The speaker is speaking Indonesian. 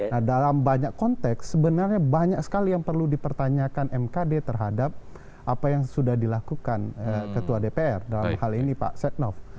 nah dalam banyak konteks sebenarnya banyak sekali yang perlu dipertanyakan mkd terhadap apa yang sudah dilakukan ketua dpr dalam hal ini pak setnov